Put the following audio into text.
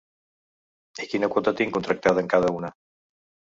I quina quota tinc contractada en cada una?